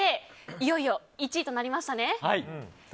いよいよ１位となりましたね。